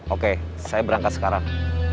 oke saya berangkat sekarang